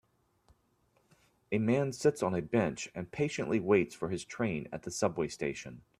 A man sits on a bench and patiently waits for his train at the subway station.